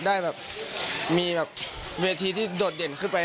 ได้แบบมีแบบเวทีที่โดดเด่นขึ้นไป